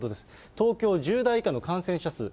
東京、１０代以下の感染者数。